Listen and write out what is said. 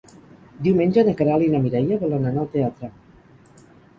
Diumenge na Queralt i na Mireia volen anar al teatre.